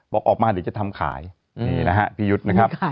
บอกออกมาเดี๋ยวจะทำขายพี่ยุทธนะครับ